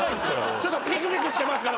ちょっとピクピクしてますから。